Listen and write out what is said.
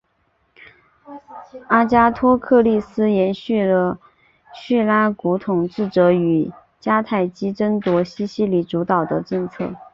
阿加托克利斯延续了叙拉古统治者与迦太基争夺西西里主导的政策。